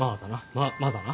まあまだな。